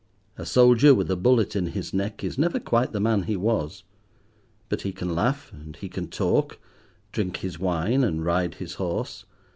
A soldier with a bullet in his neck is never quite the man he was. But he can laugh and he can talk, drink his wine and ride his horse.